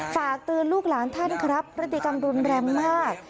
ฝากเตือนลูกหลานท่านครับพฤติกรรมรุนแรงมาก